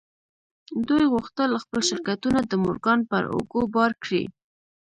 دوی غوښتل خپل شرکتونه د مورګان پر اوږو بار کړي.